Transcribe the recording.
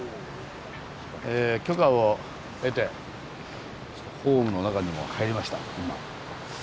許可を得てホームの中にも入りました今。